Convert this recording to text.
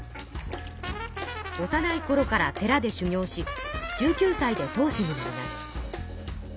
おさないころから寺で修行し１９さいで当主になります。